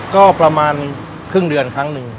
ก็ประมาณครึ่งเดือนครั้งหนึ่ง